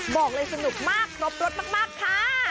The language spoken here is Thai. บอกเลยสนุกมากครบรสมากค่ะ